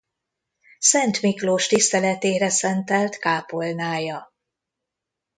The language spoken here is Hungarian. Szent Miklós tiszteletére szentelt kápolnája.